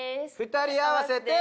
２人合わせて。